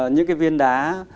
những cái viên đá